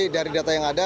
dari data yang ada